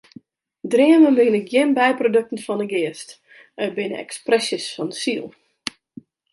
Dreamen binne gjin byprodukten fan de geast, it binne ekspresjes fan de siel.